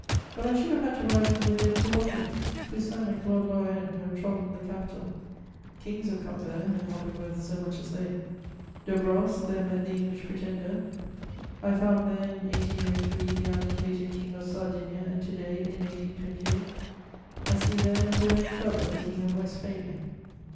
But I should have had to rise from the dead too often. Poussin and Claude Lorraine have trodden the Capitol; kings have come there and not been worth so much as they. De Brosses there met the English Pretender; I found there, in 1803, the abdicated King of Sardinia and to day, in 1828, I see there Napoleon's brother, the King of Westphalia.